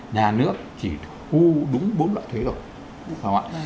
nhà nước chỉ thu đúng bốn loại thuế thôi